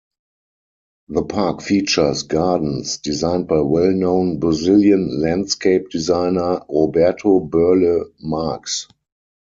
The park features gardens designed by well-known Brazilian landscape designer Roberto Burle Marx.